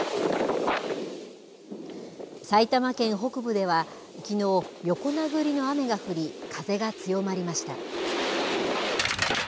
埼玉県北部では、きのう横殴りの雨が降り風が強まりました。